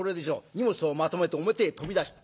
荷物をまとめて表へ飛び出した。